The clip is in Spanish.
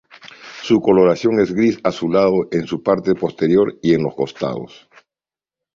Su coloración es gris azulado en su parte posterior y en los costados.